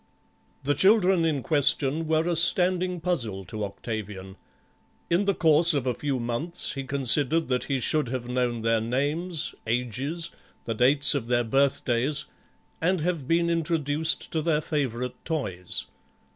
The children in question were a standing puzzle to Octavian; in the course of a few months he considered that he should have known their names, ages, the dates of their birthdays, and have been introduced to their favourite toys.